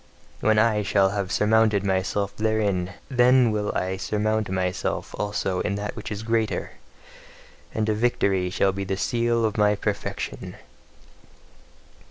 When I shall have surmounted myself therein, then will I surmount myself also in that which is greater; and a VICTORY shall be the seal of my perfection!